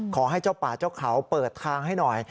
ขอให้เจ้าป่าเจ้าเขาเปิดทางให้หน่อย